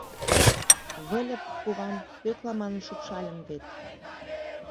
Выльып кувам Пӧкла манын шупшальым вет.